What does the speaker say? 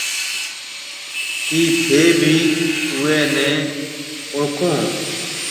ڪِي ٿَي ڀِي اُوئي نَي اوݪکون هون؟